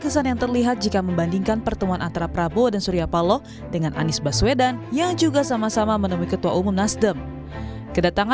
sampai jumpa di video selanjutnya